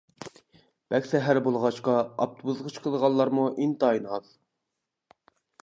بەك سەھەر بولغاچقا، ئاپتوبۇسقا چىقىدىغانلارمۇ ئىنتايىن ئاز.